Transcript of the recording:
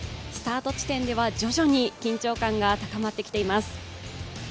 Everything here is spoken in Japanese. スタート地点では徐々に緊張感が高まってきています。